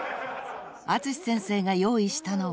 ［淳先生が用意したのは］